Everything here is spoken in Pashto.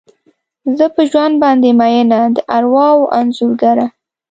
زه په ژوند باندې میینه، د ارواوو انځورګره